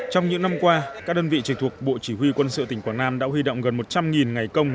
trong những năm qua các đơn vị trực thuộc bộ chỉ huy quân sự tỉnh quảng nam đã huy động gần một trăm linh ngày công